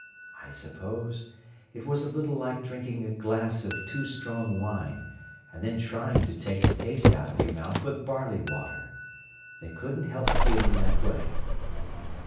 I suppose it was a little like drinking a glass of too strong wine and then trying to take the taste out of your mouth with barley water. They couldn't help feeling that way."